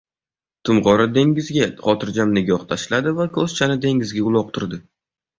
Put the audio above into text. Tim qora dengizga xotirjam nigoh tashladi va ko`zachani dengizga uloqtirdi